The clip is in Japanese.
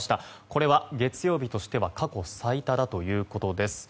これは月曜日としては過去最多だということです。